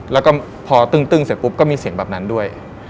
แล้วก็พอตึ้งเสร็จปุ๊บก็มีเสียงแบบนั้นด้วย